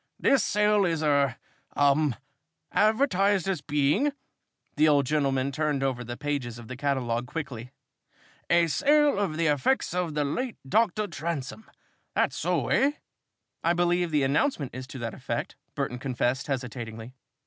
This sale is er um advertised as being " the old gentleman turned over the pages of the catalogue quickly "a sale of the effects of the late Doctor Transome. That's so, eh?" "I believe the announcement is to that effect," Burton confessed, hesitatingly.